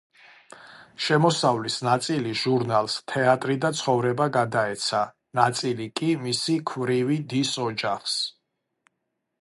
შემოსავლის ნაწილი ჟურნალს „თეატრი და ცხოვრება“ გადაეცა, ნაწილი კი მისი ქვრივი დის ოჯახს.